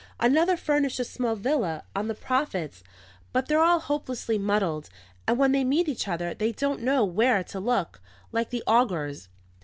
Another furnished a small villa on the profits. But they're all hopelessly muddled; and when they meet each other, they don't know where to look, like the Augurs."